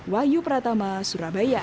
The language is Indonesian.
wahyu pratama surabaya